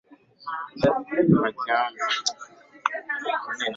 Wakati huo kamanda mpya Mjerumani Tom von Prince alijenga boma jipya la Wajerumani katika